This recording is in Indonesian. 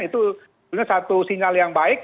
itu sebenarnya satu sinyal yang baik